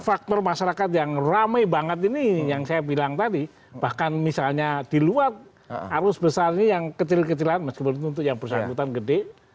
faktor masyarakat yang ramai banget ini yang saya bilang tadi bahkan misalnya di luar arus besar ini yang kecil kecilan meskipun itu untuk yang bersangkutan gede